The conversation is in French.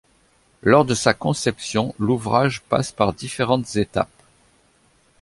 Lors de sa conception, l'ouvrage passe par différentes étapes.